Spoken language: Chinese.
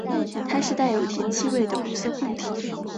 它是带有甜气味的无色固体。